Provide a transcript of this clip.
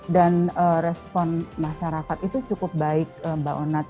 dan respon masyarakat itu cukup baik mbak onat